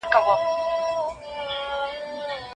ادبي مواد باید په اسانۍ سره د خلکو لاس ته ورشي.